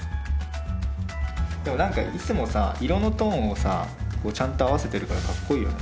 でも何かいつもさ色のトーンをちゃんと合わせてるからかっこいいよね。